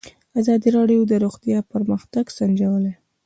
ازادي راډیو د روغتیا پرمختګ سنجولی.